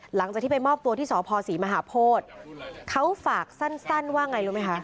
หลังจากที่ไปมอบตัวที่สพศรีมหาโพธิเขาฝากสั้นว่าไงรู้ไหมคะ